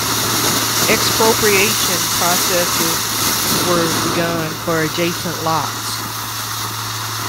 Expropriation processes were begun for adjacent lots.